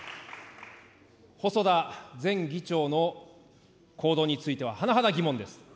細田前議長の行動についてははなはだ疑問です。